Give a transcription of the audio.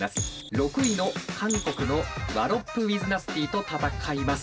６位の韓国のワロップ・ウィズ・ナスティーと戦います。